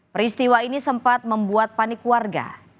peristiwa ini sempat membuat panik warga